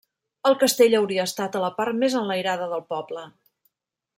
El castell hauria estat a la part més enlairada del poble.